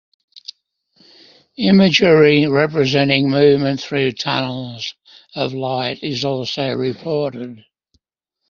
Imagery representing movement through tunnels of light is also reported.